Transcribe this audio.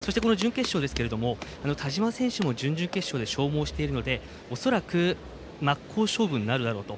そして準決勝田嶋選手も準々決勝で消耗しているので恐らく真っ向勝負になるだろうと。